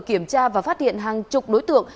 kiểm tra và phát hiện hàng chục đối tượng